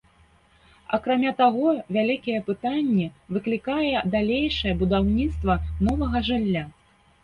Акрамя таго, вялікія пытанні выклікае далейшае будаўніцтва новага жылля.